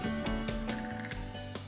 dia melakukan penanaman pohon